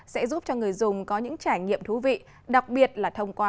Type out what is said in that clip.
sẽ giúp cho người dùng có những trải nghiệm thú vị đặc biệt là thông qua